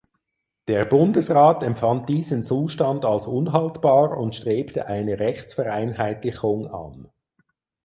Der Bundesrat empfand diesen Zustand als unhaltbar und strebte eine Rechtsvereinheitlichung an.